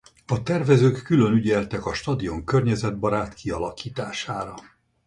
A tervezők külön ügyeltek a stadion környezetbarát kialakítására.